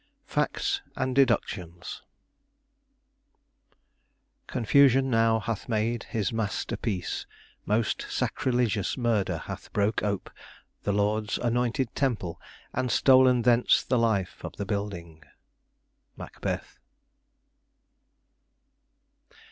FACTS AND DEDUCTIONS "Confusion now hath made his master piece; Most sacrilegious murder hath broke ope The Lord's anointed temple, and stolen thence The life of the building." Macbeth.